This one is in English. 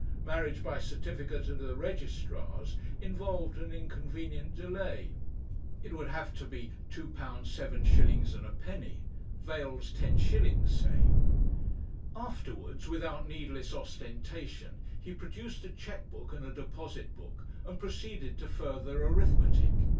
Marriage by certificate at a registrar's involved an inconvenient delay. It would have to be £2, 7s. 1d. Vails ten shillings, say. Afterwards, without needless ostentation, he produced a cheque book and a deposit book, and proceeded to further arithmetic.